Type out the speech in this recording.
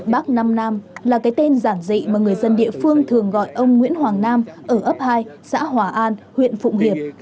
bác nam nam là cái tên giản dị mà người dân địa phương thường gọi ông nguyễn hoàng nam ở ấp hai xã hòa an huyện phụng hiệp